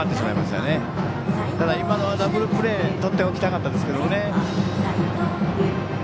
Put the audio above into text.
ただ、今のはダブルプレーをとっておきたかったですけどね。